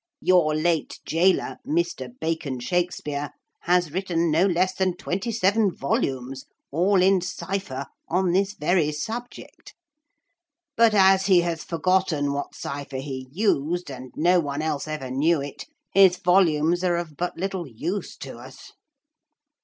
'Your late gaoler, Mr. Bacon Shakespeare, has written no less than twenty seven volumes, all in cypher, on this very subject. But as he has forgotten what cypher he used, and no one else ever knew it, his volumes are of but little use to us.'